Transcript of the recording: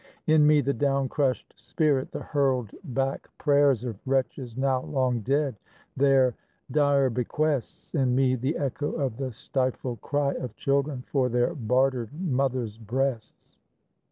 In me the down crushed spirit, the hurled back prayers Of wretches now long dead, their dire bequests, In me the echo of the stifled cry Of children for their bartered mothers' breasts.